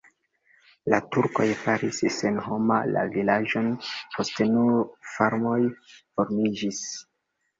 La turkoj faris senhoma la vilaĝon, poste nur farmoj formiĝis.